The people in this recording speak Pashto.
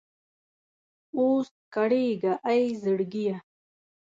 اوس کړېږه اې زړګيه!